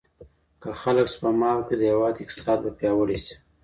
که خلګ سپما وکړي د هيواد اقتصاد به پياوړی سي.